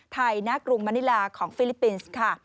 ไทยณกรุงมะนิลาของฟิลิปปินต์